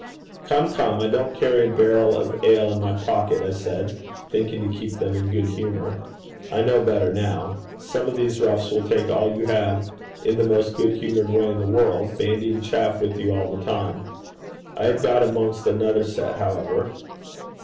'Come, come! I don't carry a barrel of ale in my pocket,' I said, thinking to keep them in good humour. I know better now. Some of these roughs will take all you have in the most good humoured way in the world, bandying chaff with you all the time. I had got amongst another set, however.